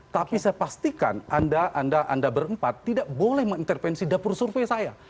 tapi saya pastikan anda anda berempat tidak boleh mengintervensi dapur survei saya